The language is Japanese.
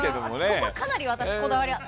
ここはかなり私、こだわりが。